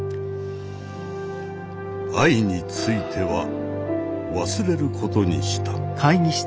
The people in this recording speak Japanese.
愛については忘れることにした。